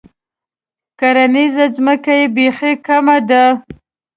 کرنیزه ځمکه یې بیخي کمه ده.